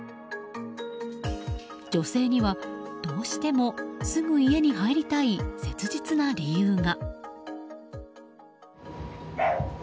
女性には、どうしてもすぐ家に入りたい切実な理由が。